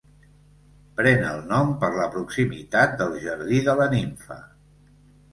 Pren el nom per la proximitat del Jardí de la Nimfa.